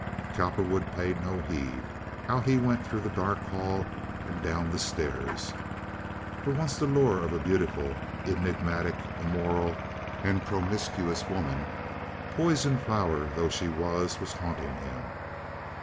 Cowperwood paid no heed. Out he went through the dark hall and down the stairs. For once the lure of a beautiful, enigmatic, immoral, and promiscuous woman—poison flower though she was—was haunting him.